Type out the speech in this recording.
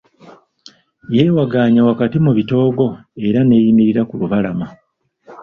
Yeewagaannya wakati mu bitoogo era n'eyimirira ku lubalama.